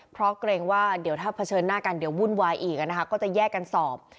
เพราะเกรงว่าเดี๋ยวถ้าเผชิญหน้ากันเดี๋ยววุ่นวายอีกก็จะแยกกันสอบ